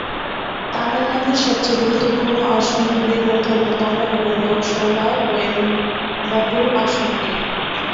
তামিলনাড়ুর সবচেয়ে গুরুত্বপূর্ণ আসনগুলির মধ্যে অন্যতম হল লোকসভা কোয়েম্বাটুর আসনটি।